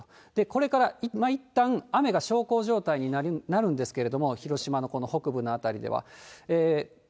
これからいったん、雨が小康状態になるんですけれども、広島のこの北部の辺りでは。